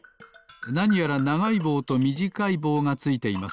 なにやらながいぼうとみじかいぼうがついています。